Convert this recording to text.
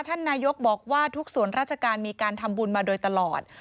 ท่านนายกบอกว่าทุกส่วนราชการมีการทำบุญมาโดยตลอด